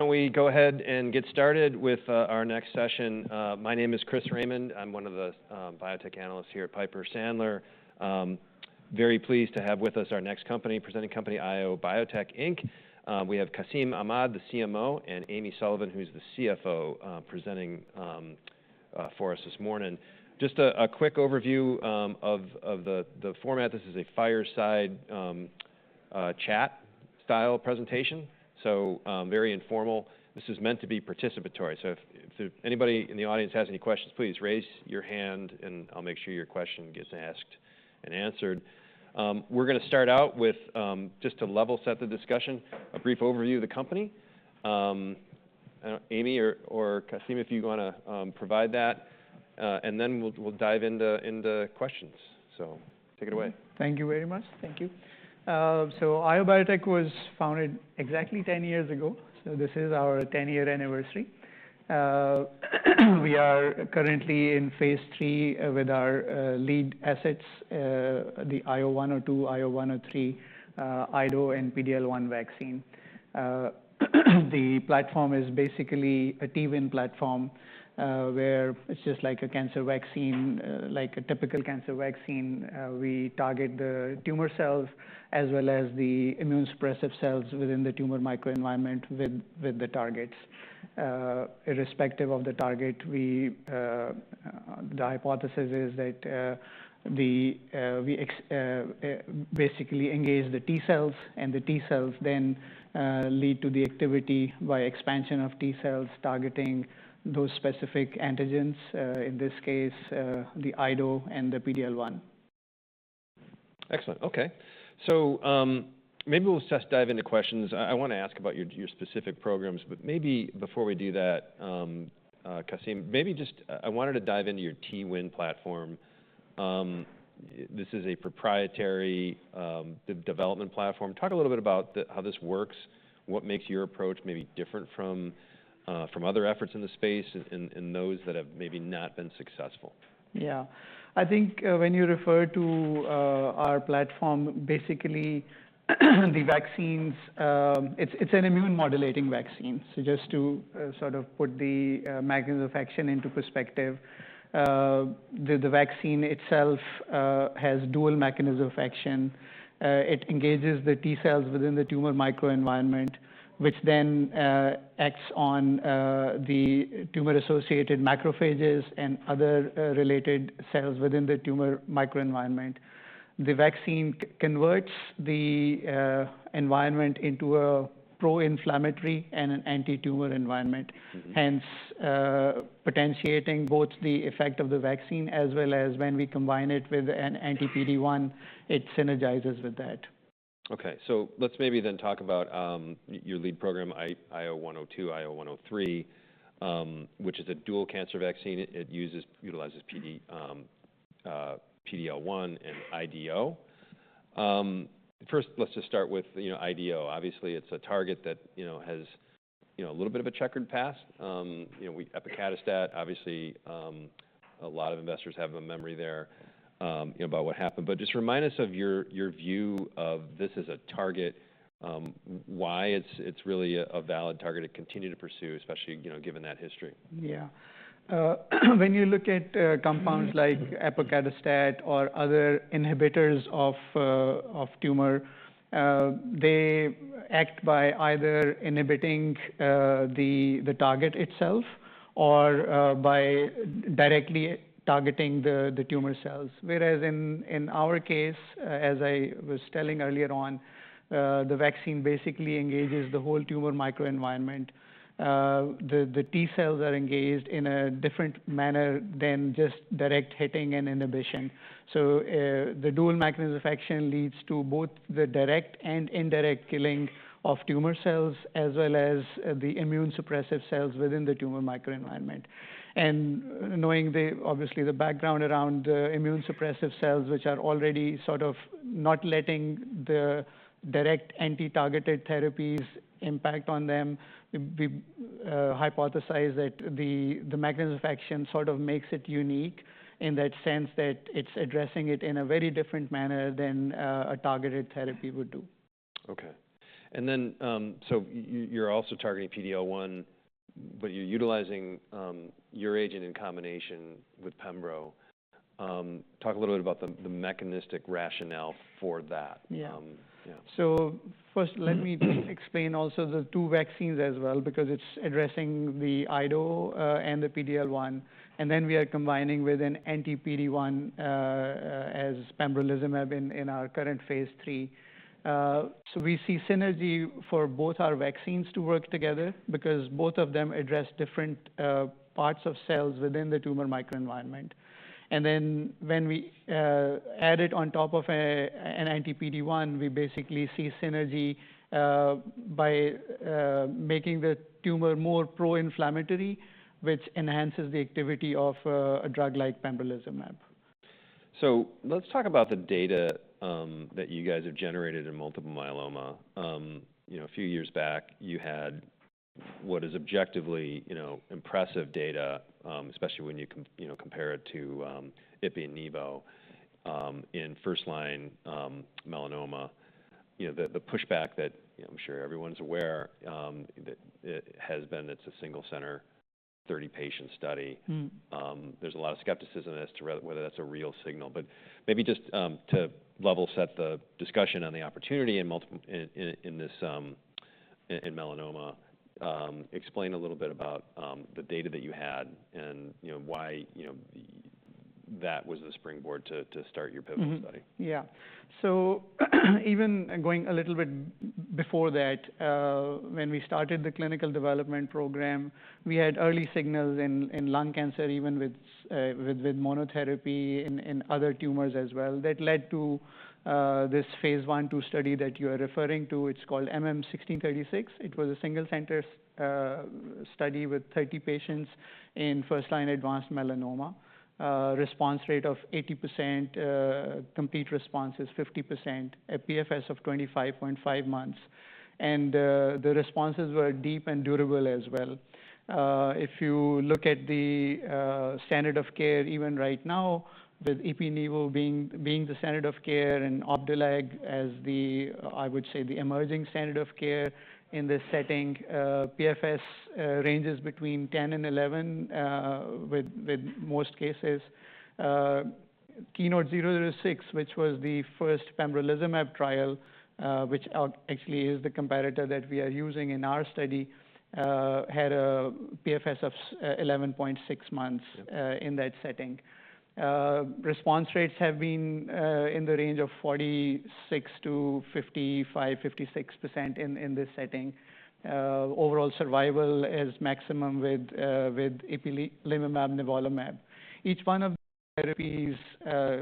Can we go ahead and get started with our next session? My name is Chris Raymond. I'm one of the biotech analysts here at Piper Sandler. Very pleased to have with us our next company, presenting company IO Biotech Inc. We have Qasim Ahmad, the CMO, and Amy Sullivan, who's the CFO, presenting for us this morning. Just a quick overview of the format. This is a fireside chat style presentation, so very informal. This is meant to be participatory. So if anybody in the audience has any questions, please raise your hand, and I'll make sure your question gets asked and answered. We're going to start out with just to level set the discussion, a brief overview of the company. Amy or Qasim, if you want to provide that, and then we'll dive into questions. So take it away. Thank you very much. Thank you. So IO Biotech was founded exactly 10 years ago. So this is our 10-year anniversary. We are currently in phase III with our lead assets, the IO-102, IO-103, IDO, and PD-L1 vaccine. The platform is basically a T-win platform, where it's just like a cancer vaccine, like a typical cancer vaccine. We target the tumor cells as well as the immune suppressive cells within the tumor microenvironment with the targets. Irrespective of the target, the hypothesis is that we basically engage the T cells, and the T cells then lead to the activity by expansion of T cells targeting those specific antigens, in this case, the IDO and the PD-L1. Excellent. OK. So maybe we'll just dive into questions. I want to ask about your specific programs. But maybe before we do that, Qasim, maybe just I wanted to dive into your T-win platform. This is a proprietary development platform. Talk a little bit about how this works, what makes your approach maybe different from other efforts in the space, and those that have maybe not been successful. Yeah. I think when you refer to our platform, basically the vaccines, it's an immune modulating vaccine. So just to sort of put the mechanism of action into perspective, the vaccine itself has dual mechanism of action. It engages the T cells within the tumor microenvironment, which then acts on the tumor-associated macrophages and other related cells within the tumor microenvironment. The vaccine converts the environment into a pro-inflammatory and an anti-tumor environment, hence potentiating both the effect of the vaccine as well as when we combine it with an anti-PD-1, it synergizes with that. Okay. So let's maybe then talk about your lead program, IO-102, IO-103, which is a dual cancer vaccine. It utilizes PD-L1 and IDO. First, let's just start with IDO. Obviously, it's a target that has a little bit of a checkered past. Epacadostat, obviously, a lot of investors have a memory there about what happened. But just remind us of your view of this as a target, why it's really a valid target to continue to pursue, especially given that history. Yeah. When you look at compounds like epacadostat or other inhibitors of tumor, they act by either inhibiting the target itself or by directly targeting the tumor cells. Whereas in our case, as I was telling earlier on, the vaccine basically engages the whole tumor microenvironment. The T cells are engaged in a different manner than just direct hitting and inhibition. So the dual mechanism of action leads to both the direct and indirect killing of tumor cells as well as the immune suppressive cells within the tumor microenvironment. And knowing obviously the background around the immune suppressive cells, which are already sort of not letting the direct anti-targeted therapies impact on them, we hypothesize that the mechanism of action sort of makes it unique in that sense that it's addressing it in a very different manner than a targeted therapy would do. OK. And then, so you're also targeting PD-L1, but you're utilizing your agent in combination with Pembro. Talk a little bit about the mechanistic rationale for that. Yeah. So first, let me explain also the two vaccines as well, because it's addressing the IDO and the PD-L1. And then we are combining with an anti-PD-1 as pembrolizumab in our current phase III. So we see synergy for both our vaccines to work together, because both of them address different parts of cells within the tumor microenvironment. And then when we add it on top of an anti-PD-1, we basically see synergy by making the tumor more pro-inflammatory, which enhances the activity of a drug like pembrolizumab. Let's talk about the data that you guys have generated in metastatic melanoma. A few years back, you had what is objectively impressive data, especially when you compare it to Ipi and Nivo in first-line melanoma. The pushback that I'm sure everyone's aware has been that it's a single center, 30 patient study. There's a lot of skepticism as to whether that's a real signal. Maybe just to level set the discussion on the opportunity in melanoma, explain a little bit about the data that you had and why that was the springboard to start your pivotal study. Yeah. So even going a little bit before that, when we started the clinical development program, we had early signals in lung cancer, even with monotherapy in other tumors as well. That led to this phase I/II study that you are referring to. It's called MM1636. It was a single center study with 30 patients in first-line advanced melanoma, response rate of 80%, complete response is 50%, a PFS of 25.5 months. And the responses were deep and durable as well. If you look at the standard of care, even right now, with Ipi/Nivo being the standard of care and Opdualag as the, I would say, the emerging standard of care in this setting, PFS ranges between 10 and 11 with most cases. Keynote-006, which was the first pembrolizumab trial, which actually is the comparator that we are using in our study, had a PFS of 11.6 months in that setting. Response rates have been in the range of 46%-55%, 56% in this setting. Overall survival is maximum with ipilimumab, nivolumab. Each one of the therapies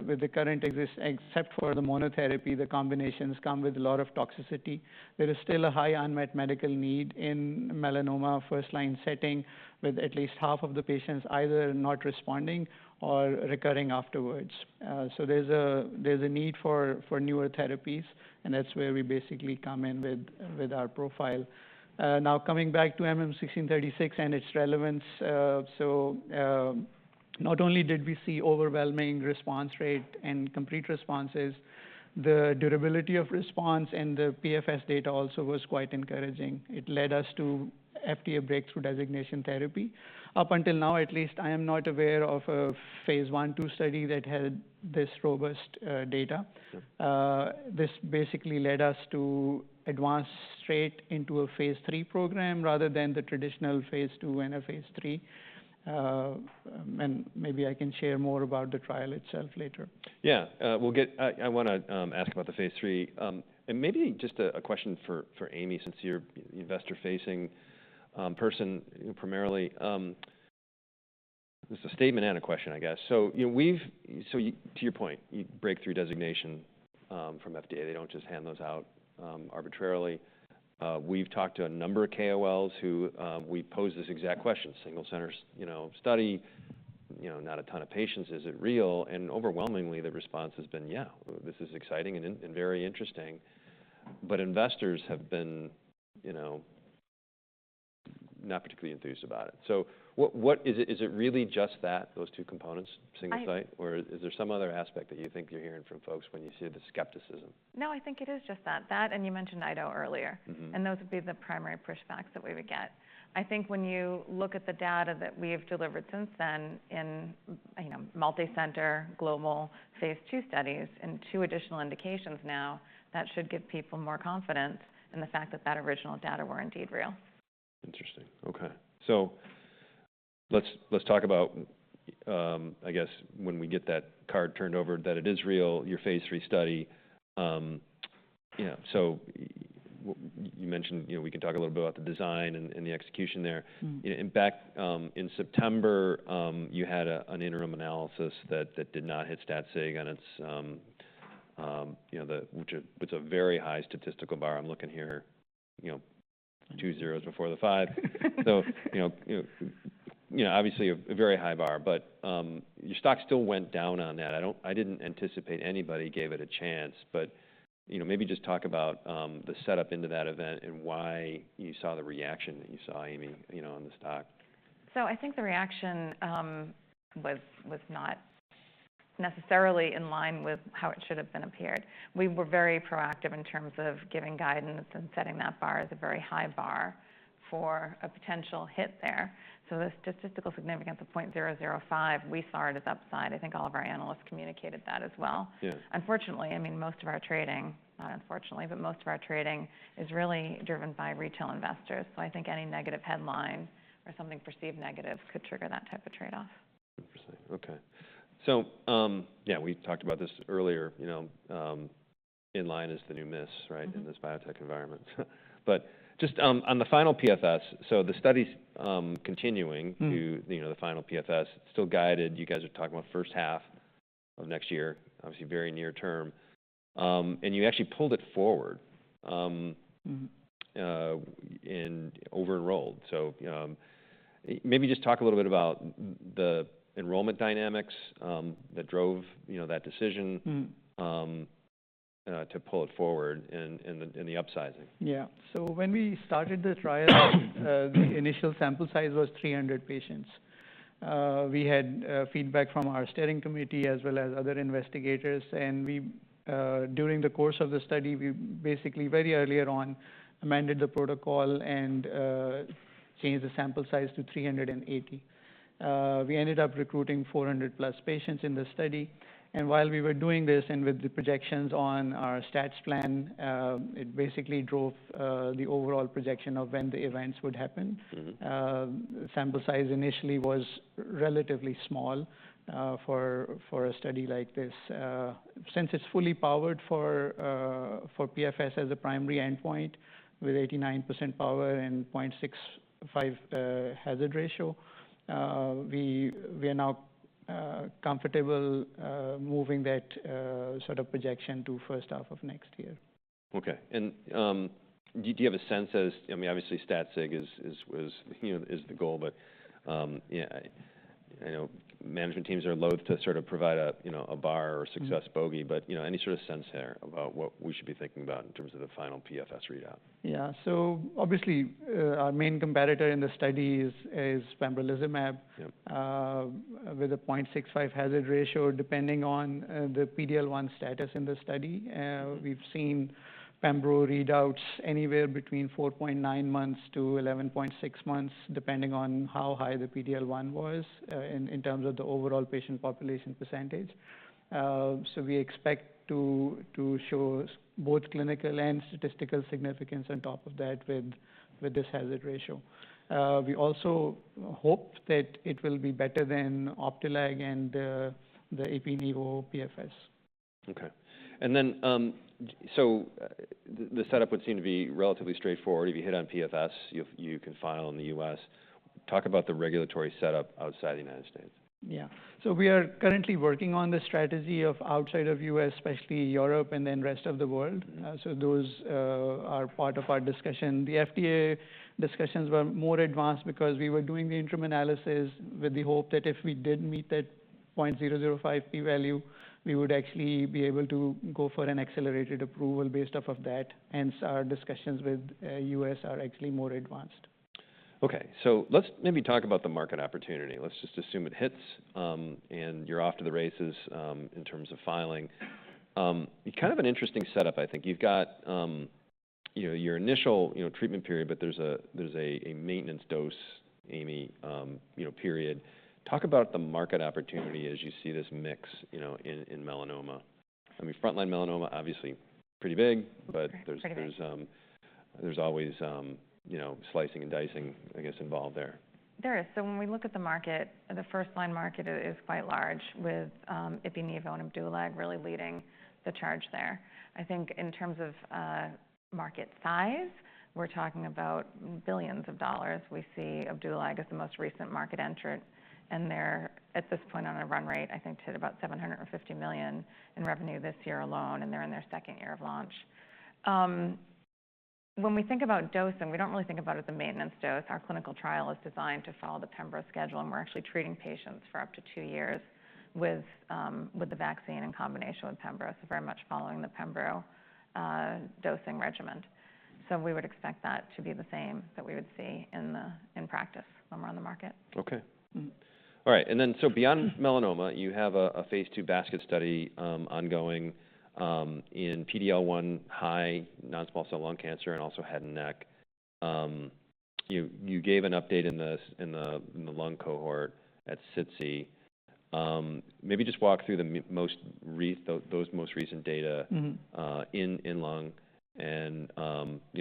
with the current, except for the monotherapy, the combinations come with a lot of toxicity. There is still a high unmet medical need in melanoma first-line setting, with at least half of the patients either not responding or recurring afterwards, so there's a need for newer therapies, and that's where we basically come in with our profile. Now, coming back to MM1636 and its relevance, so not only did we see overwhelming response rate and complete responses, the durability of response and the PFS data also was quite encouraging. It led us to FDA Breakthrough Therapy designation. Up until now, at least, I am not aware of a phase I/II study that had this robust data. This basically led us to advance straight into a phase III program rather than the traditional phase II and a phase III. And maybe I can share more about the trial itself later. Yeah. I want to ask about the phase III, and maybe just a question for Amy, since you're an investor-facing person primarily. This is a statement and a question, I guess. So to your point, your breakthrough designation from FDA, they don't just hand those out arbitrarily. We've talked to a number of KOLs who we posed this exact question, single center study, not a ton of patients, is it real? And overwhelmingly, the response has been, yeah. This is exciting and very interesting. But investors have been not particularly enthused about it. So is it really just that, those two components, single site? Or is there some other aspect that you think you're hearing from folks when you see the skepticism? No, I think it is just that. That and you mentioned IDO earlier, and those would be the primary pushbacks that we would get. I think when you look at the data that we have delivered since then in multicenter global phase II studies and two additional indications now, that should give people more confidence in the fact that that original data were indeed real. Interesting. OK. So let's talk about, I guess, when we get that card turned over, that it is real, your phase III study. So you mentioned we can talk a little bit about the design and the execution there. In fact, in September, you had an interim analysis that did not hit stat-sig on its, which is a very high statistical bar. I'm looking here, two zeros before the five. So obviously, a very high bar. But your stock still went down on that. I didn't anticipate anybody gave it a chance. But maybe just talk about the setup into that event and why you saw the reaction that you saw, Amy, on the stock. So I think the reaction was not necessarily in line with how it should have been appeared. We were very proactive in terms of giving guidance and setting that bar as a very high bar for a potential hit there. So the statistical significance of 0.005, we saw it as upside. I think all of our analysts communicated that as well. Unfortunately, I mean, most of our trading, not unfortunately, but most of our trading is really driven by retail investors. So I think any negative headline or something perceived negative could trigger that type of trade-off. 100%. OK. So yeah, we talked about this earlier. In line is the new metrics, right, in this biotech environment. But just on the final PFS, so the studies continuing to the final PFS, still guided. You guys are talking about first half of next year, obviously very near term, and you actually pulled it forward and over-enrolled. So maybe just talk a little bit about the enrollment dynamics that drove that decision to pull it forward and the upsizing. Yeah. So when we started the trial, the initial sample size was 300 patients. We had feedback from our steering committee as well as other investigators. And during the course of the study, we basically very early on amended the protocol and changed the sample size to 380. We ended up recruiting 400+ patients in the study. And while we were doing this and with the projections on our stats plan, it basically drove the overall projection of when the events would happen. Sample size initially was relatively small for a study like this. Since it's fully powered for PFS as a primary endpoint with 89% power and 0.65 hazard ratio, we are now comfortable moving that sort of projection to first half of next year. OK. And do you have a sense as, I mean, obviously stat-sig is the goal, but management teams are loath to sort of provide a bar or success bogey. But any sort of sense there about what we should be thinking about in terms of the final PFS readout? Yeah. So obviously, our main competitor in the study is pembrolizumab with a 0.65 hazard ratio, depending on the PD-L1 status in the study. We've seen Pembro readouts anywhere between 4.9-11.6 months, depending on how high the PD-L1 was in terms of the overall patient population percentage. So we expect to show both clinical and statistical significance on top of that with this hazard ratio. We also hope that it will be better than Opdualag and the Ipi/Nivo PFS. OK. And then so the setup would seem to be relatively straightforward. If you hit on PFS, you can file in the U.S. Talk about the regulatory setup outside the United States. Yeah. So we are currently working on the strategy of outside of the U.S., especially Europe and then the rest of the world. So those are part of our discussion. The FDA discussions were more advanced because we were doing the interim analysis with the hope that if we did meet that 0.005 p-value, we would actually be able to go for an accelerated approval based off of that. Hence, our discussions with the U.S. are actually more advanced. OK. So let's maybe talk about the market opportunity. Let's just assume it hits and you're off to the races in terms of filing. Kind of an interesting setup, I think. You've got your initial treatment period, but there's a maintenance dose, Amy, period. Talk about the market opportunity as you see this mix in melanoma. I mean, front-line melanoma, obviously, pretty big, but there's always slicing and dicing, I guess, involved there. There is. So when we look at the market, the first-line market is quite large with Ipi/Nivo and Opdualag really leading the charge there. I think in terms of market size, we're talking about billions of dollars. We see Opdualag as the most recent market entrant. And they're at this point on a run rate, I think, to about $750 million in revenue this year alone, and they're in their second year of launch. When we think about dosing, we don't really think about it as a maintenance dose. Our clinical trial is designed to follow the Pembro schedule, and we're actually treating patients for up to two years with the vaccine in combination with Pembro, so very much following the Pembro dosing regimen. So we would expect that to be the same that we would see in practice when we're on the market. OK. All right. And then, so beyond melanoma, you have a phase II basket study ongoing in PD-L1 high non-small cell lung cancer and also head and neck. You gave an update in the lung cohort at SITC. Maybe just walk through those most recent data in lung and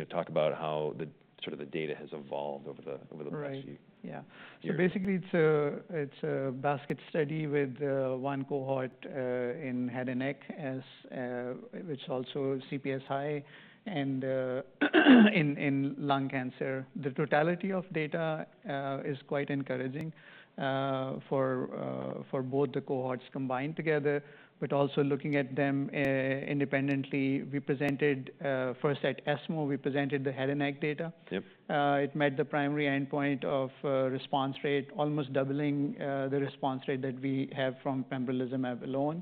talk about how sort of the data has evolved over the past year. Yeah. So basically, it's a basket study with one cohort in head and neck, which is also CPS high and in lung cancer. The totality of data is quite encouraging for both the cohorts combined together, but also looking at them independently. First at ESMO, we presented the head and neck data. It met the primary endpoint of response rate, almost doubling the response rate that we have from pembrolizumab alone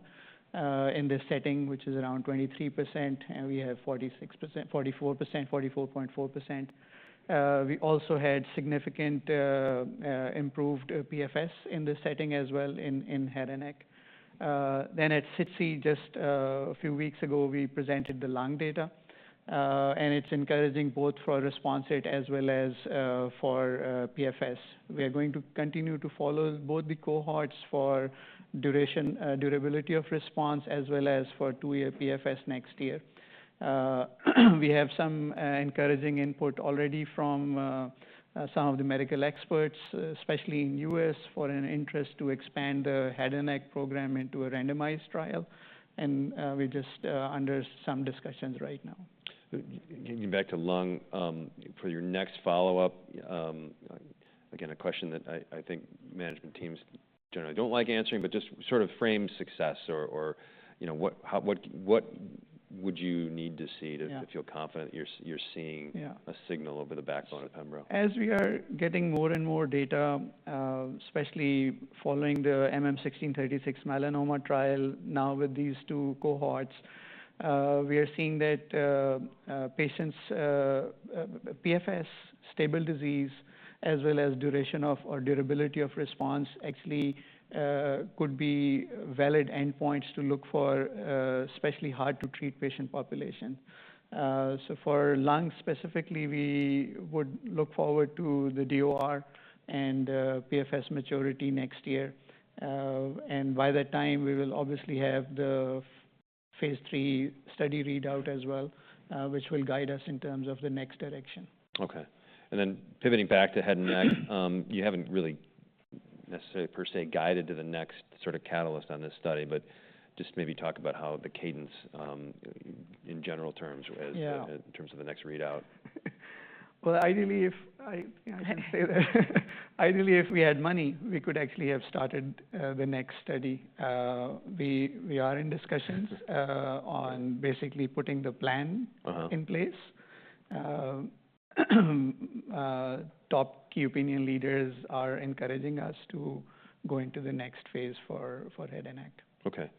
in this setting, which is around 23%. And we have 44%, 44.4%. We also had significant improved PFS in this setting as well in head and neck. Then at SITC, just a few weeks ago, we presented the lung data. And it's encouraging both for response rate as well as for PFS. We are going to continue to follow both the cohorts for durability of response as well as for two-year PFS next year. We have some encouraging input already from some of the medical experts, especially in the U.S., for an interest to expand the head and neck program into a randomized trial, and we're just under some discussions right now. Getting back to lung, for your next follow-up, again, a question that I think management teams generally don't like answering, but just sort of frame success or what would you need to see to feel confident you're seeing a signal over the backbone of Pembro? As we are getting more and more data, especially following the MM1636 melanoma trial now with these two cohorts, we are seeing that patients' PFS, stable disease, as well as duration of or durability of response actually could be valid endpoints to look for, especially hard-to-treat patient population. So for lung specifically, we would look forward to the DOR and PFS maturity next year. And by that time, we will obviously have the phase III study readout as well, which will guide us in terms of the next direction. OK. And then pivoting back to head and neck, you haven't really necessarily per se guided to the next sort of catalyst on this study, but just maybe talk about how the cadence in general terms was in terms of the next readout. Ideally, if I can say that. Ideally, if we had money, we could actually have started the next study. We are in discussions on basically putting the plan in place. Top key opinion leaders are encouraging us to go into the next phase for head and neck. OK.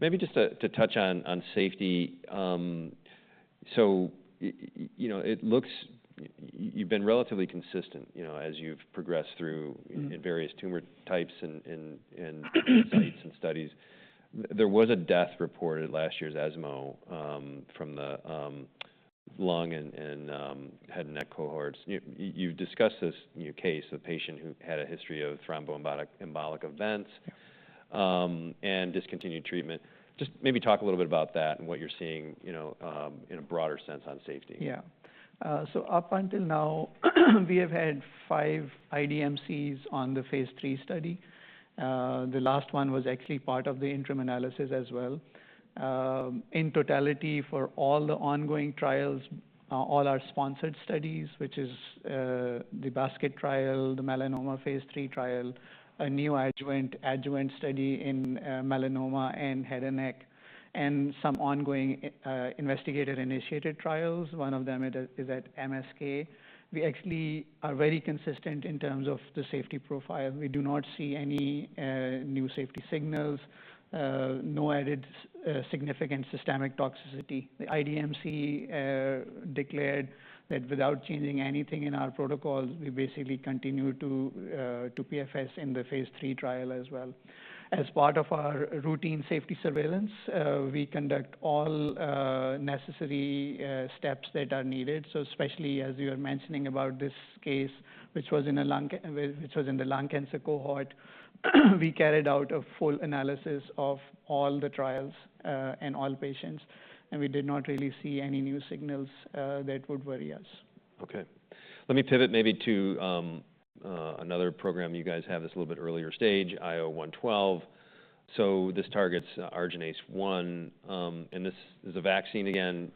Maybe just to touch on safety. So it looks you've been relatively consistent as you've progressed through various tumor types and sites and studies. There was a death report at last year's ESMO from the lung and head and neck cohorts. You've discussed this case, a patient who had a history of thromboembolic events and discontinued treatment. Just maybe talk a little bit about that and what you're seeing in a broader sense on safety. Yeah. So up until now, we have had five IDMCs on the phase III study. The last one was actually part of the interim analysis as well. In totality, for all the ongoing trials, all our sponsored studies, which is the basket trial, the melanoma phase III trial, a neoadjuvant study in melanoma and head and neck, and some ongoing investigator-initiated trials, one of them is at MSK. We actually are very consistent in terms of the safety profile. We do not see any new safety signals, no added significant systemic toxicity. The IDMC declared that without changing anything in our protocols, we basically continue to PFS in the phase III trial as well. As part of our routine safety surveillance, we conduct all necessary steps that are needed. So especially as you are mentioning about this case, which was in the lung cancer cohort, we carried out a full analysis of all the trials and all patients. And we did not really see any new signals that would worry us. OK. Let me pivot maybe to another program you guys have that's a little bit earlier stage, IO-112. So this targets arginase 1. And this is a vaccine, again,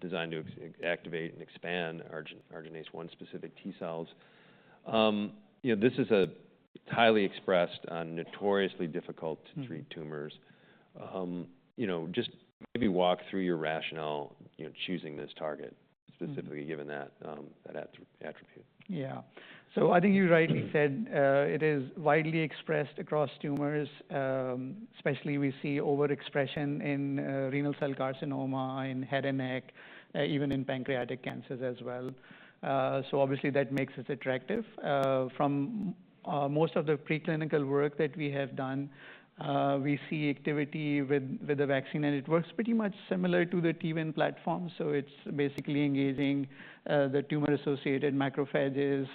designed to activate and expand arginase 1 specific T cells. This is highly expressed on notoriously difficult-to-treat tumors. Just maybe walk through your rationale choosing this target, specifically given that attribute? Yeah. So I think you rightly said it is widely expressed across tumors, especially we see overexpression in renal cell carcinoma and head and neck, even in pancreatic cancers as well. So obviously, that makes us attractive. From most of the preclinical work that we have done, we see activity with the vaccine. And it works pretty much similar to the T-win platform. So it's basically engaging the tumor-associated macrophages.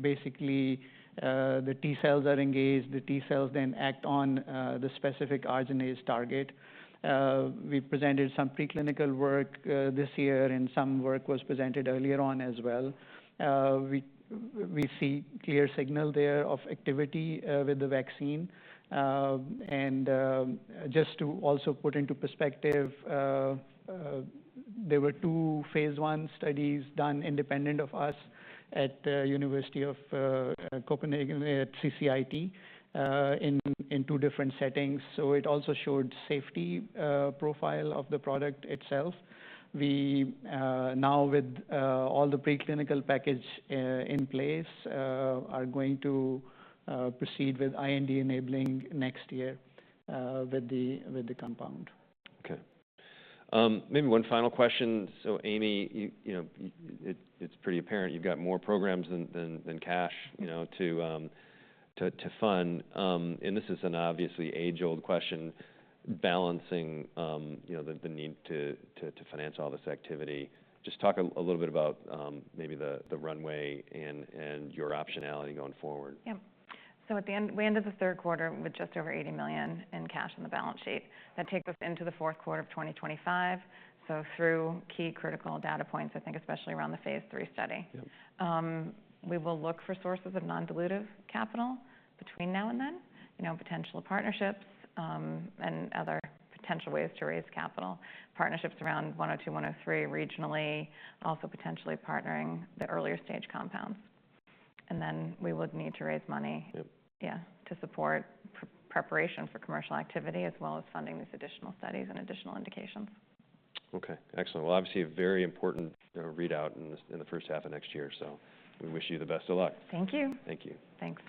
Basically, the T cells are engaged. The T cells then act on the specific arginase 1 target. We presented some preclinical work this year, and some work was presented earlier on as well. We see a clear signal there of activity with the vaccine. And just to also put into perspective, there were two phase I studies done independent of us at the University of Copenhagen at CCIT in two different settings. So it also showed the safety profile of the product itself. We now, with all the preclinical package in place, are going to proceed with IND-enabling next year with the compound. Okay. Maybe one final question. So Amy, it's pretty apparent you've got more programs than cash to fund. And this is an obviously age-old question, balancing the need to finance all this activity. Just talk a little bit about maybe the runway and your optionality going forward. Yep. So at the end, we ended the third quarter with just over $80 million in cash on the balance sheet. That takes us into the fourth quarter of 2025. So through key critical data points, I think especially around the phase III study, we will look for sources of non-dilutive capital between now and then, potential partnerships and other potential ways to raise capital, partnerships around IO-102, IO-103 regionally, also potentially partnering the earlier stage compounds. And then we would need to raise money. Yeah, to support preparation for commercial activity as well as funding these additional studies and additional indications. OK. Excellent. Well, obviously, a very important readout in the first half of next year. So we wish you the best of luck. Thank you. Thank you. Thanks.